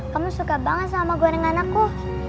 kamu suka banget sama gorengan aku